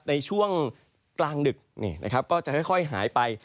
ในช่วงกลางดึกเนี่ยนะครับก็จะค่อยหายไป